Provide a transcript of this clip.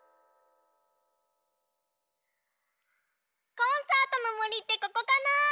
コンサートのもりってここかな？